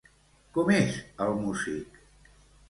Com és el músic?